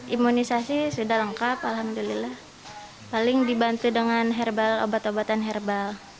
imunisasi sudah lengkap alhamdulillah paling dibantu dengan herbal obat obatan herbal